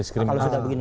kalau sudah begini